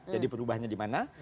jadi perubahannya di mana